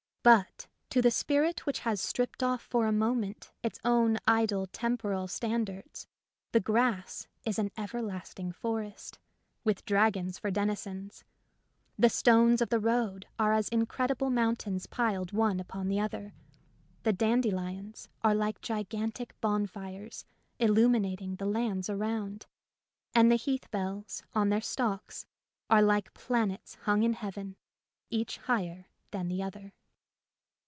But to the spirit which has stripped off for a moment its own idle temporal standards the grass is an ever lasting forest, with dragons for denizens ; the stones of the road are as incredible mountains piled one upon the other; the dandelions are like gigantic bonfires illu minating the lands around ; and the hea^h bells on their stalks are like planets huLg in heaven each higher than the other.